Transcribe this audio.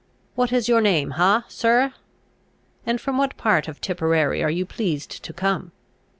What is your name ha, sirrah? and from what part of Tipperary are you pleased to come?"